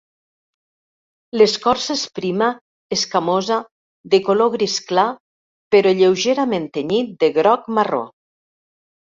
L'escorça és prima, escamosa, de color gris clar, però lleugerament tenyit de groc-marró.